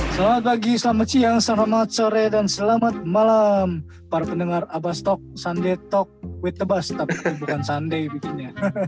selamat pagi selamat siang selamat sore dan selamat malam para pendengar abas talk sunday talk with the bus tapi bukan sunday